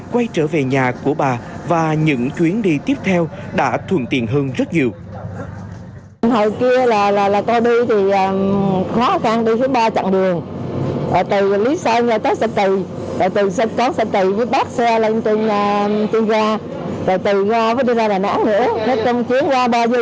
quay trở về nhà của bà và những chuyến đi tiếp theo đã thuận tiện hơn rất nhiều